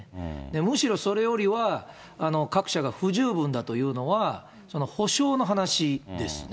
むしろそれよりは各社が不十分だというのは、補償の話ですね。